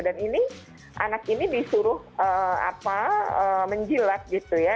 dan ini anak ini disuruh menjilat gitu ya